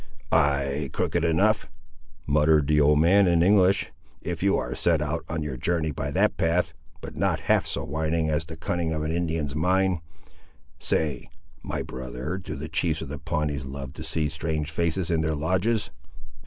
"Ay, crooked enough!" muttered the old man in English, "if you are to set out on your journey by that path, but not half so winding as the cunning of an Indian's mind. Say, my brother; do the chiefs of the Pawnees love to see strange faces in their lodges?"